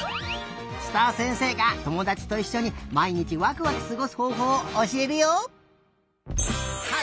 すたあせんせいがともだちといっしょにまいにちわくわくすごすほうほうをおしえるよ！